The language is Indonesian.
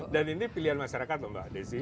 dan ini pilihan masyarakat mbak desi